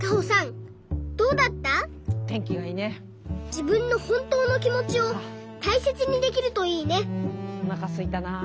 じぶんのほんとうのきもちをたいせつにできるといいねおなかすいたな。